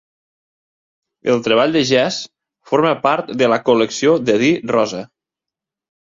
El treball de Jess forma part de la col·lecció de di Rosa.